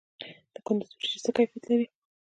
د کندز وریجې څه کیفیت لري؟